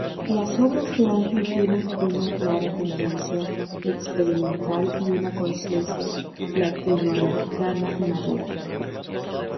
Las obras de Ángel tienen una clara tendencia experimental y una conciencia latinoamericana madura.